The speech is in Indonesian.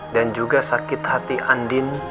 dan juga sakit hati andin